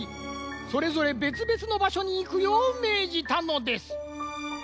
それぞれべつべつのばしょにいくようめいじたのです。